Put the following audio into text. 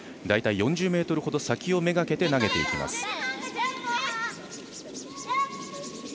大体４０ｍほど先をめがけて投げていきます。